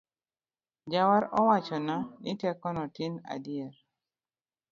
Jawar owachona ni teko notin adier